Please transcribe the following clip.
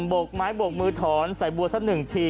บกไม้บกมือถอนใส่บัวซะหนึ่งที